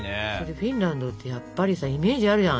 フィンランドってやっぱりさイメージあるじゃん。